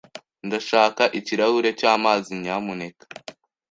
Ndashaka ikirahuri cyamazi, nyamuneka.